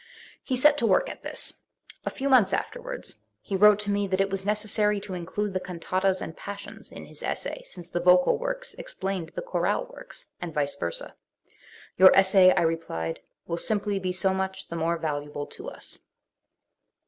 He set to work at this. A few months afterwards he wrote to me that it was necessary to include the cantatas and Passions in his essay, since the vocal works explained the chorale works, and vice versd. " Your essay", I re plied, "will simply be so much the more valuable to us."